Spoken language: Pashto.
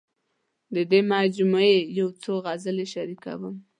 د دې مجموعې یو څو غزلې شریکوم.